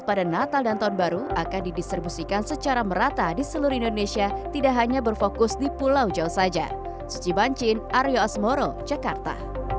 pemadaman listrik di indonesia akan didistribusikan secara merata di seluruh indonesia tidak hanya berfokus di pulau jauh saja